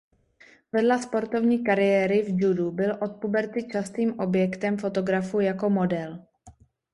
Vedla sportovní kariéry v judu byl od puberty častým objektem fotografů jako model.